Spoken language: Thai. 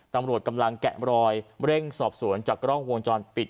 ตำรวจกำลังแกะมรอยเร่งสอบสวนจากกล้องวงจรปิด